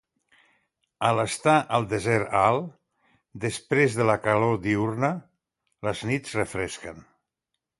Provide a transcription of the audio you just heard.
Al estar al desert alt, després de la calor diürna, les nits refresquen.